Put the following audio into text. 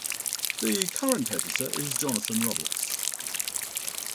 The current editor is Jonathan Roberts.